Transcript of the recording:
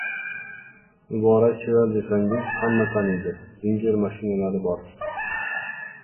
— Muborak chevar desangiz, hamma taniydi. «Zinger» mashinalari bor.